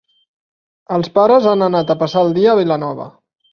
Els pares han anat a passar el dia a Vilanova.